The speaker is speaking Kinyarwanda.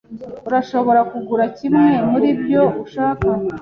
Urashobora kugura kimwe muribyo ubishaka.